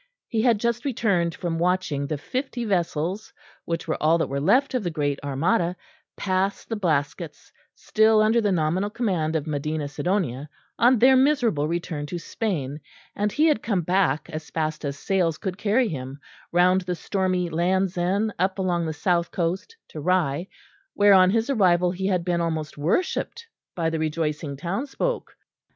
He had just returned from watching the fifty vessels, which were all that were left of the Great Armada, pass the Blaskets, still under the nominal command of Medina Sidonia, on their miserable return to Spain; and he had come back as fast as sails could carry him, round the stormy Land's End up along the south coast to Rye, where on his arrival he had been almost worshipped by the rejoicing townsfolk.